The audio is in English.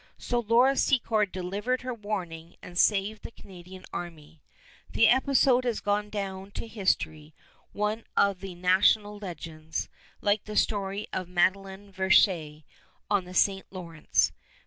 So Laura Secord delivered her warning and saved the Canadian army. The episode has gone down to history one of the national legends, like the story of Madeline Verchères on the St. Lawrence.